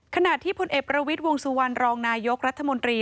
ขณะที่พลเอกประวิทย์วงสุวรรณรองนายกรัฐมนตรี